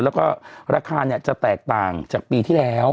แล้วก็ราคาจะแตกต่างจากปีที่แล้ว